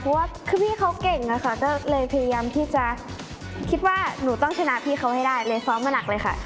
เพราะว่าคือพี่เขาเก่งอะค่ะก็เลยพยายามที่จะคิดว่าหนูต้องชนะพี่เขาให้ได้เลยซ้อมมาหนักเลยค่ะ